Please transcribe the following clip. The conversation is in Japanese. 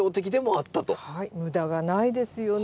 はい無駄がないですよね。